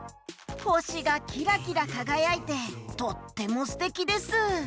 ほしがキラキラかがやいてとってもすてきです！